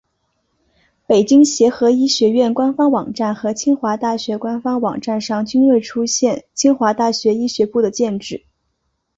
北京协和医学院官方网站和清华大学官方网站上均未出现清华大学医学部的建制。